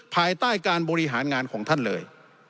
ภายใต้การบริหารงานของท่านเลย